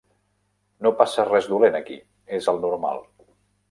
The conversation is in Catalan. No passa res dolent aquí, és el normal.